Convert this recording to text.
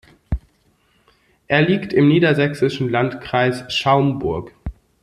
Er liegt im niedersächsischen Landkreis Schaumburg.